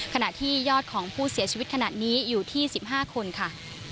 ขณะที่ยอดของผู้เสียชีวิตขณะนี้อยู่ที่๑๕คนค่ะ